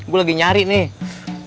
gue lagi nyari nih